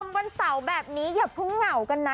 วันเสาร์แบบนี้อย่าเพิ่งเหงากันนะ